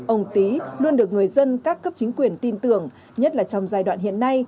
ông tý luôn được người dân các cấp chính quyền tin tưởng nhất là trong giai đoạn hiện nay